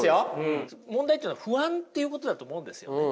問題というのは不安っていうことだと思うんですよね。